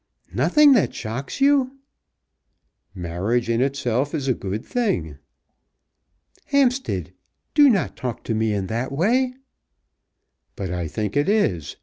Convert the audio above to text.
"Nothing that shocks you!" "Marriage in itself is a good thing." "Hampstead, do not talk to me in that way." "But I think it is.